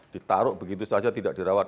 ditaruh begitu saja tidak dirawat